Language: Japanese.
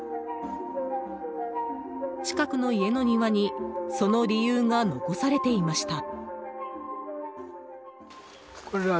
近くの家の庭にその理由が残されていました。